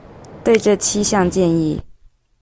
對這七項建議